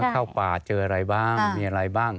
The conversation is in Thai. เข้าป่าเจออะไรบ้างมีอะไรบ้าง